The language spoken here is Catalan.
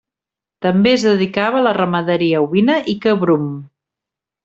També es dedicava a la ramaderia ovina i cabrum.